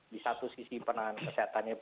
di satu sisi penanganan kesehatannya